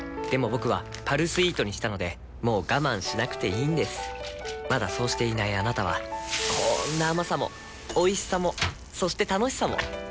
僕は「パルスイート」にしたのでもう我慢しなくていいんですまだそうしていないあなたはこんな甘さもおいしさもそして楽しさもあちっ。